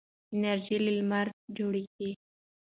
انرژي له لمره جوړیږي.